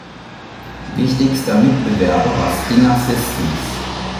Wichtigster Mitbewerber war Stinger Systems.